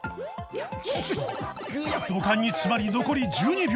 土管に詰まり残り１２秒